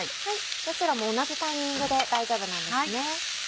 どちらも同じタイミングで大丈夫なんですね。